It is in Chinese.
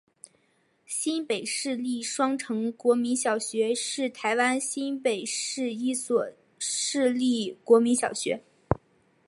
新北市立双城国民小学是台湾新北市一所市立国民小学。